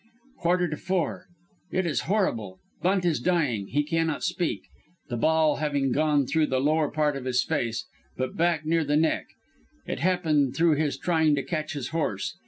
"Quarter to four. It is horrible. Bunt is dying. He cannot speak, the ball having gone through the lower part of his face, but back, near the neck. It happened through his trying to catch his horse.